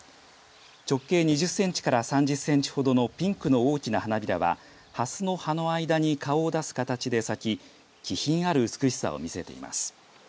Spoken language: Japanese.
直径２０センチから３０センチほどのピンクの大きな花びらはハスの葉の間に顔を出す形で咲き気品ある美しさを見せています。